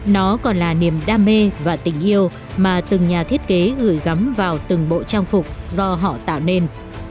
nó còn là niềm đam mê và tình yêu mà từng nhà thiết kế gửi gắm vào từng bộ trang phục do họ tạo nên